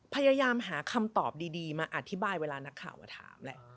พยายามหาคำตอบดีมาอธิบายเวลานักข่าวมาถามแหละ